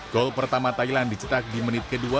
gol pertama thailand dicetak di menit kedua